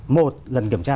một lần kiểm tra